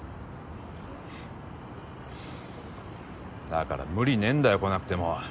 だから無理ねぇんだよ来なくても。